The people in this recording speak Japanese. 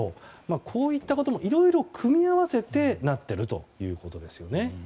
こういったこともいろいろ組み合わせてなっているということですよね。